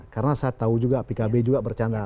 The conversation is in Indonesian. karena saya tahu juga pkb juga bercanda